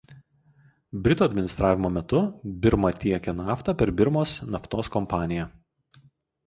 Britų administravimo metu Birma tiekė naftą per Birmos naftos kompaniją.